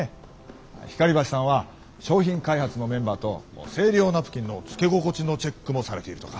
光橋さんは商品開発のメンバーと生理用ナプキンのつけ心地のチェックもされているとか。